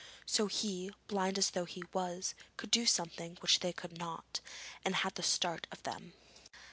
So he, blind though he was, could do something which they could not, and had the start of them!